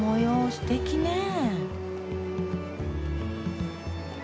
すてきねえ。